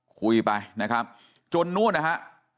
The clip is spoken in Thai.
คุยไปนะครับจนนู่นนะฮะ